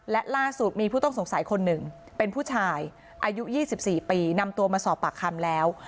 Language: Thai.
และล่าสุดมีผู้ต้องสงสัยคนหนึ่งเป็นผู้ชายอายุ๒๔ปีนำตัวมาสอบปากคำแล้ว